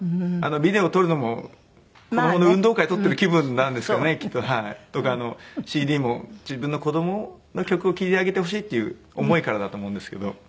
ビデオ撮るのも子供の運動会撮ってる気分なんですかねきっと。とかＣＤも自分の子供の曲を聴いてあげてほしいっていう思いからだと思うんですけど。